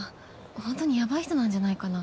ほんとにヤバい人なんじゃないかな？